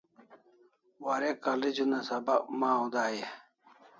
Warek college una sabak maw dai e?